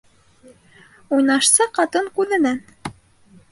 Уйнашсы ҡатын күҙенән